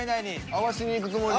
合わしにいくつもりで。